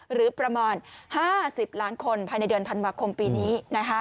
หรือประมาณ๕๐ล้านคนภายในเดือนธันวาคมปีนี้